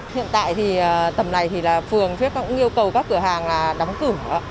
hiện tại thì tầm này thì là phường thuyết cộng yêu cầu các cửa hàng đóng cửa